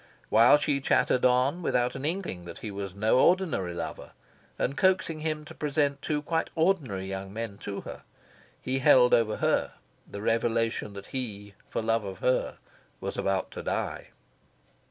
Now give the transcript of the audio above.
While she chattered on, without an inkling that he was no ordinary lover, and coaxing him to present two quite ordinary young men to her, he held over her the revelation that he for love of her was about to die.